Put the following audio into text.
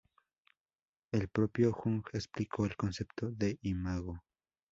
El propio Jung explicó el concepto de imago.